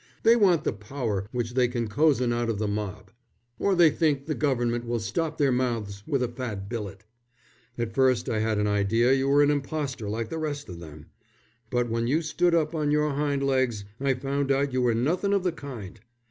They want the power which they can cozen out of the mob, or they think the Government will stop their mouths with a fat billet. At first I had an idea you were an impostor like the rest of them, but when you stood up on your hind legs I found out you were nothin' of the kind.